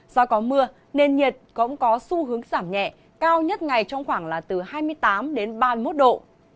do có mưa nền nhiệt cũng có xu hướng giảm nhẹ cao nhất ngày trong khoảng là từ hai mươi tám đến ba mươi một độ